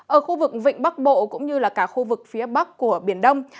ở khu vực vịnh bắc bộ cũng như là cả khu vực phía bắc của biển đông